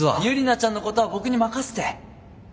ユリナちゃんのことは僕に任せて。